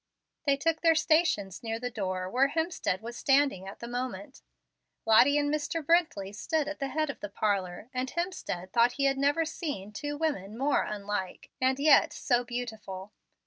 They took their stations near the door where Hemstead was standing at the moment. Lottie and Mr. Brently stood at the head of the parlor; and Hemstead thought he had never seen two women more unlike, and yet so beautiful.